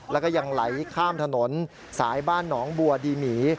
แล้วก็ยังไหลข้ามถนนสายบ้านหนองบัวดีหมี